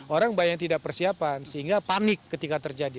orang banyak tidak persiapan sehingga panik ketika terjadi